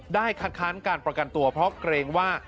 คัดค้านการประกันตัวเพราะเกรงว่า